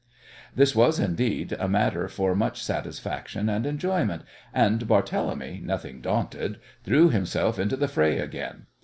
This was, indeed, a matter for much satisfaction and enjoyment, and Barthélemy, nothing daunted, threw himself into the fray again.